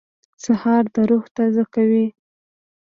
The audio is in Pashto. سهار د روح تازه کوي.